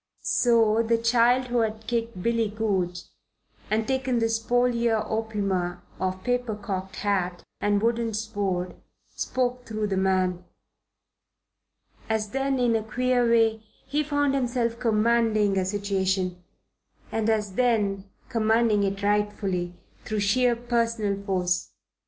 So the child who had kicked Billy Goodge and taken the spolia opima of paper cocked hat and wooden sword spoke through the man. As then, in a queer way, he found himself commanding a situation; and as then, commanding it rightfully, through sheer personal force.